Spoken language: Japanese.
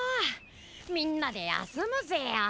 みんなでやすむぜよ。